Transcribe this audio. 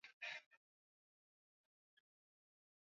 hii leo basi msikilizaji tutaongelea swala moja